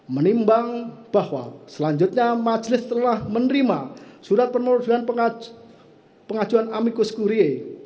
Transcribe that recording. menimbang bahwa selanjutnya majlis telah menerima surat penelusuran pengajuan amiko skurie